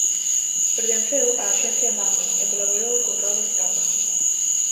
Pertenceu á axencia Magnum e colaborou con Robert Capa.